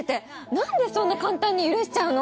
なんでそんな簡単に許しちゃうの？